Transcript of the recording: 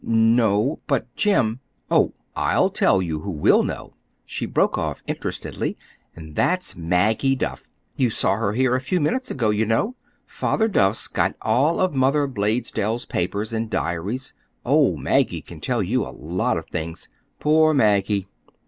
"No. But Jim—Oh, I'll tell you who will know," she broke off interestedly; "and that's Maggie Duff. You saw her here a few minutes ago, you know. Father Duff's got all of Mother Blaisdell's papers and diaries. Oh, Maggie can tell you a lot of things. Poor Maggie!